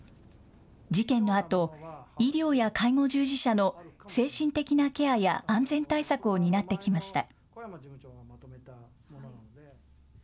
事件のあと、医療や介護従事者の精神的なケアや安全対策を担ってきました。